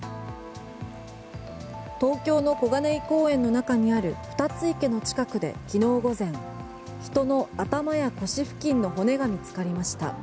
東京の小金井公園の中にあるふたつ池の近くで昨日午前、人の頭や腰付近の骨が見つかりました。